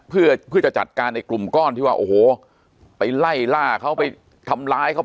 เพื่อจะจัดการในกลุ่มก้อนที่ว่าโอ้โหไปไล่ล่าเขาไปทำร้ายเขา